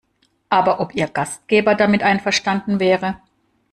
Aber ob ihr Gastgeber damit einverstanden wäre?